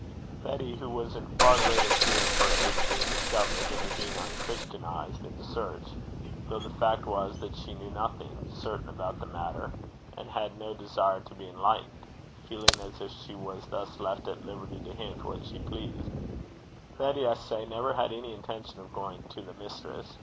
Betty, who was in far greater fear of her age being discovered than of being unchristianized in the search, though the fact was that she knew nothing certain about the matter, and had no desire to be enlightened, feeling as if she was thus left at liberty to hint what she pleased, Betty, I say, never had any intention of going 'benn the hoose to the mistress.'